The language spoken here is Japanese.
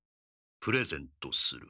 プレゼントする。